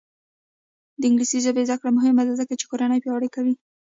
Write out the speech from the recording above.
د انګلیسي ژبې زده کړه مهمه ده ځکه چې کورنۍ پیاوړې کوي.